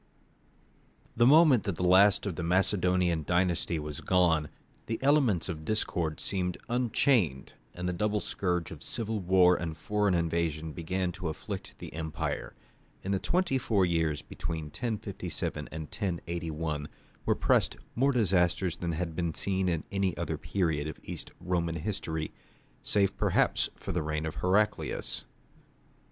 The moment that the last of the Macedonian dynasty was gone, the elements of discord seemed unchained, and the double scourge of civil war and foreign invasion began to afflict the empire. In the twenty four years between 1057 and 1081 were pressed more disasters than had been seen in any other period of East Roman history, save perhaps the reign of Heraclius.